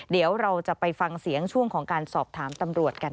เดี๋ยวเราจะไปฟังเสียงช่วงของการสอบถามตำรวจกัน